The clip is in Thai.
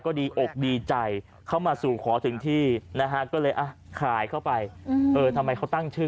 ก็ดีอกดีใจเข้ามาสู่ขอถึงที่นะฮะก็เลยอ่ะขายเข้าไปเออทำไมเขาตั้งชื่อ